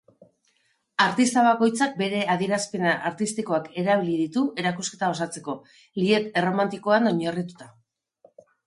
Artista bakoitzak bere adierazpen artistikoak erabili ditu erakusketa osatzeko, lied erromantikoan oinarrituta.